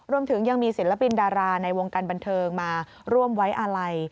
รวมถึงยังมีศิลปินดาราในวงการบันเทิงมาร่วมไว้อาลัย